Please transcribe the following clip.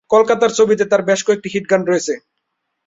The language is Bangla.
কলকাতার ছবিতে তার বেশকিছু হিট গান রয়েছে।